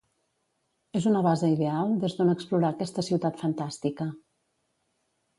És una base ideal des d'on explorar aquesta ciutat fantàstica.